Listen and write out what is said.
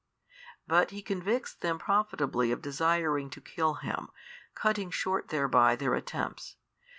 But He convicts them profitably of desiring to kill Him, cutting short thereby their attempts.